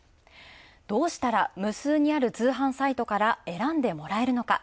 どうしたら無数にある通販サイトから選んでもらえるのか。